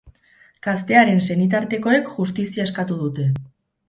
Gaztearen senitartekoek justizia eskatu dute.